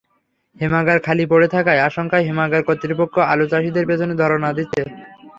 হিমাগার খালি পড়ে থাকার আশঙ্কায় হিমাগার কর্তৃপক্ষ আলুচাষিদের পেছনে ধরনা দিচ্ছেন।